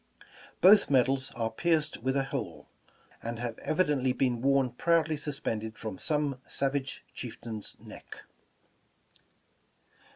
Both medals are pierced with a hole, and have evidently been worn proudly sus pended from some savage chieftain's neck.